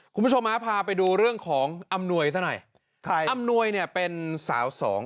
คุณผู้ชมฮะพาไปดูเรื่องของอำนวยซะหน่อยใครอำนวยเนี่ยเป็นสาวสอง